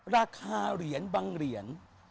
ราคาเหรียญบางเหรียญ